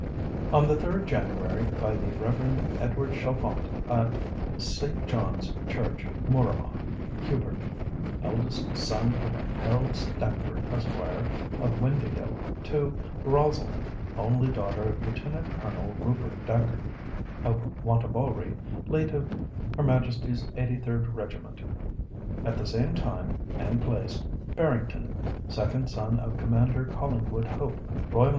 "On the 3rd January, by the Rev. Edward Chalfont, at St. John's Church, Mooramah, Hubert, eldest son of Harold Stamford, Esq., of Windāhgil, to Rosalind, only daughter of Lieutenant Colonel Rupert Dacre, of Wantabalree, late of H.M. 83rd Regiment. At the same time and place, Barrington, second son of Commander Collingwood Hope, R.N.